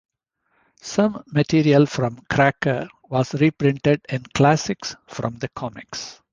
Some material from "Cracker" was reprinted in "Classics from the Comics".